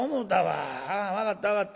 ああ分かった分かった。